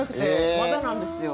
まだなんですよ。